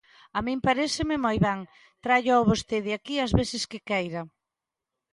A min paréceme moi ben, tráiao vostede aquí as veces que queira.